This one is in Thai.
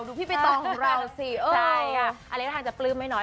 ดูพี่เป๋ตองของเราสิเออใช่ค่ะอัลเล็กทางจะปลื้มไม่น้อย